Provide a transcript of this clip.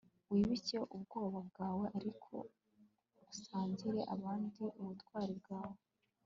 wibike ubwoba bwawe, ariko usangire abandi ubutwari bwawe